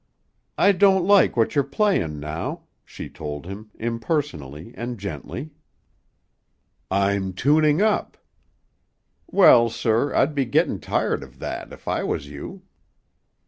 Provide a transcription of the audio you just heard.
"I don't like what you're playin' now," she told him, impersonally and gently. "I'm tuning up." "Well, sir, I'd be gettin' tired of that if I was you."